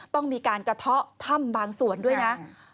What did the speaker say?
ต้องมีการกระเทาะถ้ำบางส่วนด้วยนะ